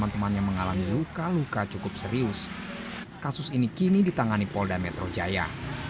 penerangan terhadap ruko ini kini ditangani polda metro jaya